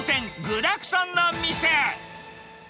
具だくさんな店。